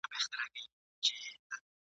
که دي تڼۍ شلېدلي نه وي څوک دي څه پیژني ..